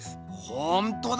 ほんとだ